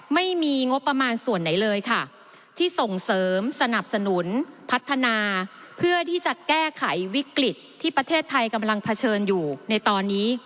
ไม่มีงบประมาณส่วนไหนเลยค่ะที่ส่งเสริมสนับสนุนพัฒนาเพื่อที่จะแก้ไขวิกฤตที่ประเทศไทยกำลังเผชิญอยู่ในตอนนี้